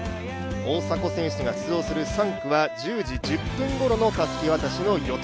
大迫選手が出場する３区は１０時１０分ごろのたすき渡しの予定